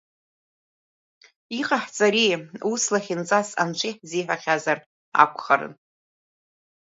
Иҟаҳҵари ус лахьынҵас анцәа иаҳзиҳәа-хьазар акәхарын.